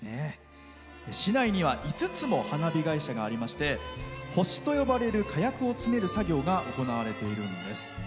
市内には５つも花火会社がありまして星と呼ばれる火薬を詰める作業が行われているんです。